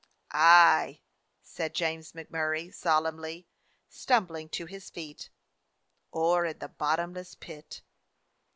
"Aye," said James MacMurray solemnly, stumbling to his feet, "or in the bottomless pit."